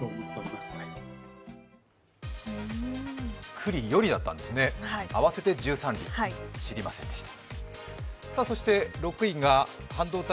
九里よりだったんですね、合わせて１３里、知りませんでした